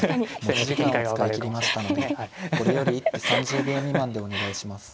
持ち時間を使い切りましたのでこれより一手３０秒未満でお願いします。